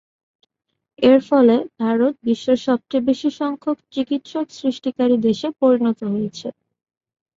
এর ফলে ভারত বিশ্বের সবচেয়ে বেশি সংখ্যক চিকিৎসক সৃষ্টিকারী দেশে পরিণত হয়েছে।